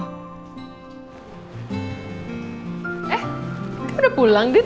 eh kamu udah pulang din